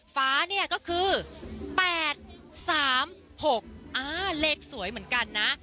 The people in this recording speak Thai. ฝาเนี่ยก็คือแปดสามหกอ่าเลขสวยเหมือนกันนะ